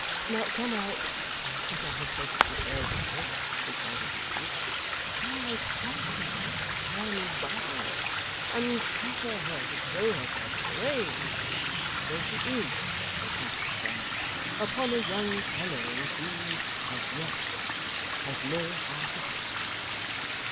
Now, can I as I have said to Haredale, who quite agrees can I possibly stand by, and suffer her to throw herself away (although she IS of a Catholic family), upon a young fellow who, as yet, has no heart at all?